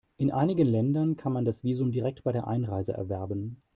In einigen Ländern kann man das Visum direkt bei der Einreise erwerben.